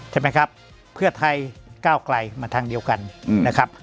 ใช่ไหมครับเพื่อไทยก้าวไกลมาทางเดียวกันนะครับ